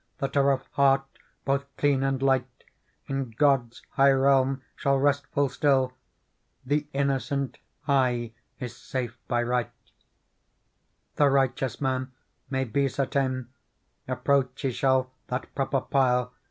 That are of heart both clean and light. In God's high realm shall rest full still :' The innocent aye is safe by right. Digitized by Google PEARL " The righteous man may be certain. Approach he shall that proper pile.